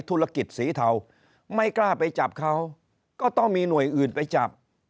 ธุรกิจสีเทาไม่กล้าไปจับเขาก็ต้องมีหน่วยอื่นไปจับ